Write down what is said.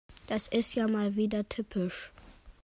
Das ist ja wieder mal typisch.